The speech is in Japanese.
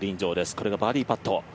こればバーディーパット。